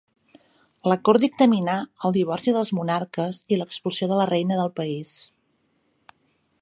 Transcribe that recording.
La Cort dictaminà el divorci dels monarques i l'expulsió de la reina del país.